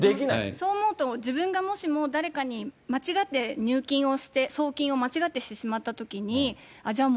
そう思うと、自分がもしも、誰かに間違って入金をして、送金を間違ってしてしまったときにじゃあ